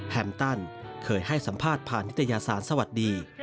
แฮมตันเคยให้สัมภาษณ์ผ่านนิตยสารสวัสดี